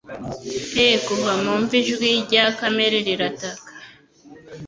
E'en kuva mu mva ijwi rya Kamere rirataka,